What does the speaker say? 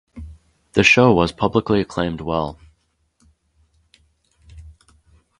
The show was publicly acclaimed well.